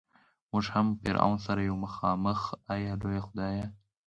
مونږ هم فرعون سره یو مخامخ ای لویه خدایه.